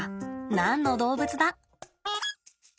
何の動物だ？